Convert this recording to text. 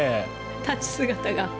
立ち姿が。